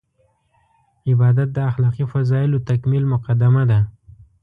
عبادت د اخلاقي فضایلو تکمیل مقدمه ده.